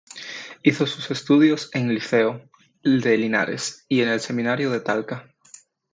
Hizo sus estudios en el Liceo de Linares y en el Seminario de Talca.